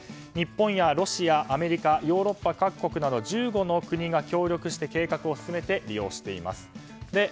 日本やロシア、アメリカヨーロッパ各国など１５の国が協力して計画を進めて利用しています。